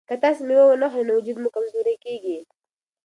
که تاسي مېوه ونه خورئ نو وجود مو کمزوری کیږي.